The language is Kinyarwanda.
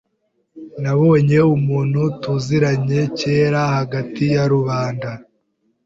Nabonye umuntu tuziranye kera hagati ya rubanda.